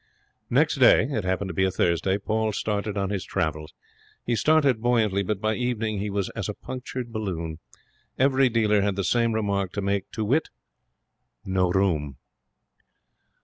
Next day, it happening to be a Thursday, Paul started on his travels. He started buoyantly, but by evening he was as a punctured balloon. Every dealer had the same remark to make to wit, no room.